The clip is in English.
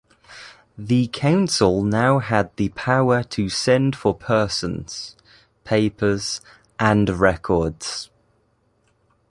The Council now had the "power to send for persons, papers, and records".